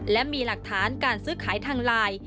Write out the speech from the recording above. และมีหลักฐานการซื้อขายทางไลน์